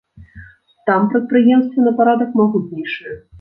Там прадпрыемствы на парадак магутнейшыя.